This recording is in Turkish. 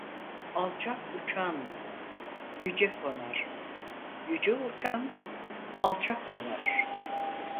Alçak uçan yüce konar, yüce uçan alçak konar.